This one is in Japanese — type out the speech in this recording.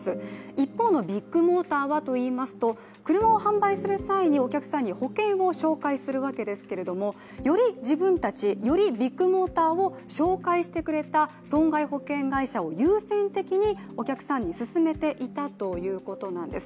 一方のビッグモーターはと言いますと、車を販売する際に、お客さんに保険を紹介するわけですけれどもより自分たち、よりビッグモーターを紹介してくれた損害保険会社を優先的にお客さんに薦めていたということなんです。